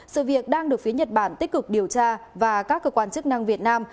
sự việc đang được phía nhật bản tích cực điều tra và các cơ quan chức năng việt nam